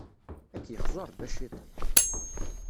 Ad k-yexzu Rebbi a cciṭan!